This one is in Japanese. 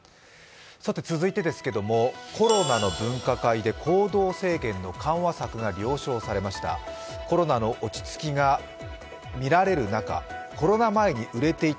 続いて、コロナの分科会で行動制限の緩和策が了承されました。